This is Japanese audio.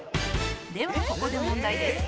「ではここで問題です」